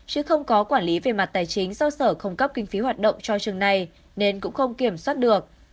chứ không có quản lý về mặt tài chính do sở không cấp kinh phí hoạt động cho trường này nên cũng không kiểm soát được